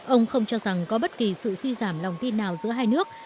ông không cho rằng có bất kỳ sự suy giảm lòng tin nào giữa hai nước